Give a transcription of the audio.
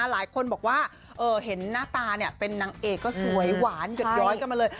หลายคนบอกว่าเห็นหน้าตาเป็นนางเอกก็สวยหวานหยดย้อยกันมาเลย